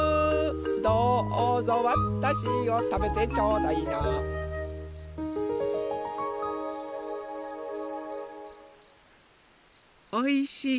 どうぞわたしをたべてちょうだいなおいしい